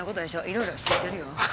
いろいろ知ってるよ。